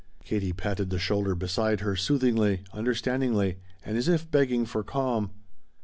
Katie patted the shoulder beside her soothingly, understandingly, and as if begging for calm.